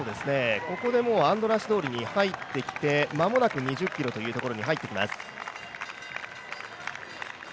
ここでもうアンドラーシ通りに入ってきて間もなく２０ｋｍというところに入ってきます。